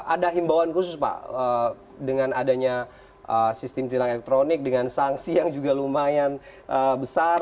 ada himbauan khusus pak dengan adanya sistem tilang elektronik dengan sanksi yang juga lumayan besar